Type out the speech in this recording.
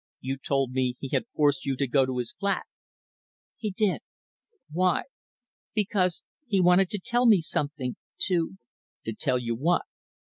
"You told me he had forced you to go to his flat." "He did." "Why?" "Because he wanted to tell me something to " "To tell you what?"